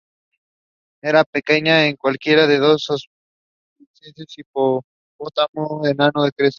Era más pequeña que cualquiera de las dos subespecies de hipopótamo enano de Creta.